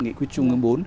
nghị quyết chung năm bốn